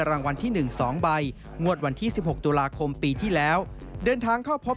รางวัลที่๑๒ใบงวดวันที่๑๖ตุลาคมปีที่แล้วเดินทางเข้าพบ